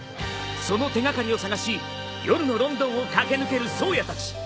その手がかりを探し夜のロンドンを駆け抜ける颯也たち。